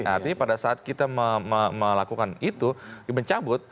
artinya pada saat kita melakukan itu mencabut